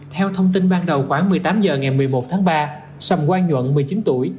theo thông tin ban đầu khoảng một mươi tám h ngày một mươi một tháng ba sầm quang nhuận một mươi chín tuổi